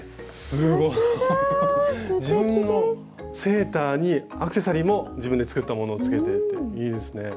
すごい！自分のセーターにアクセサリーも自分で作ったものをつけていていいですね。